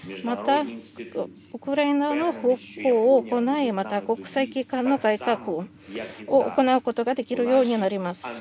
また、ウクライナの復興を行い、また国際機関の改革を行うことができるようになります。